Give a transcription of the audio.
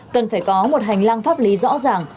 cần phải có một hành lang pháp lý rõ ràng